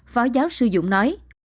phó giáo sư dũng nói